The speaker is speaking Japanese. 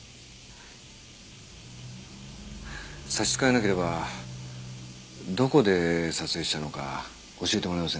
差し支えなければどこで撮影したのか教えてもらえませんか？